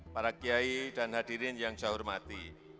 para kiai dan hadirin yang saya hormati